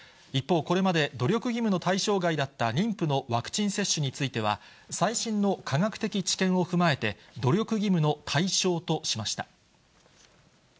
一方、これまで努力義務の対象外だった妊婦のワクチン接種については、最新の科学的知見を踏まえて、努力義務の対象としました。